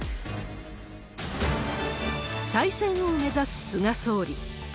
再選を目指す菅総理。